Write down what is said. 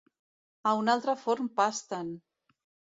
A un altre forn pasten!